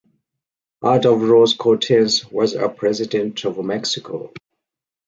Adolfo Ruiz Cortines was a president of Mexico.